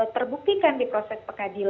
terbukti kan di proses pengadilan